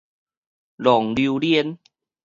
浪流連